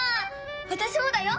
わたしもだよ！